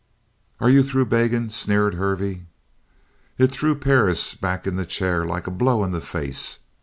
"Are you through begging?" sneered Hervey. It threw Perris back in the chair like a blow in the face.